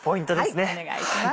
はいお願いします。